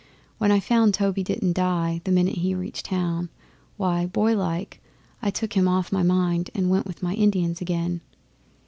When I found Toby didn't die the minute he reached town, why, boylike, I took him off my mind and went with my Indians again.